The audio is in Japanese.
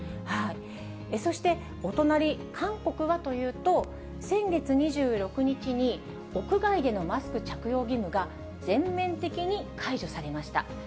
そして、お隣、韓国はというと、先月２６日に、屋外でのマスク着用義務が全面的に解除されました。